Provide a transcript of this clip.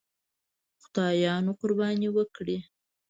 خدایانو قرباني وکړي.